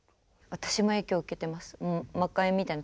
私も影響を受けてます。